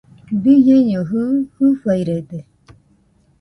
Biñaino jɨɨ, fɨfairede